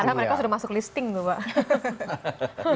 karena mereka sudah masuk listing lho pak